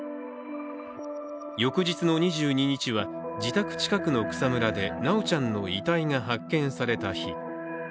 翌日の２２日は、自宅近くの草むらで修ちゃんの遺体が発見された日。